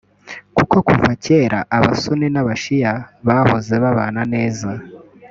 Kuko kuva kera abasuni n’abashia bahoze babana neza